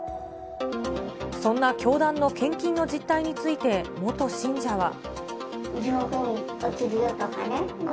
そんな教団の献金の実態について、元信者は。